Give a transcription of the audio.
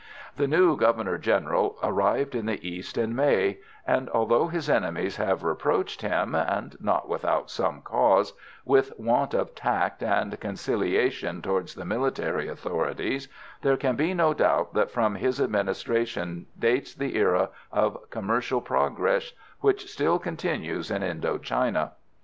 The new Governor General arrived in the East in May; and although his enemies have reproached him and not without some cause with want of tact and conciliation towards the military authorities, there can be no doubt that from his administration dates the era of commercial progress, which still continues in Indo China.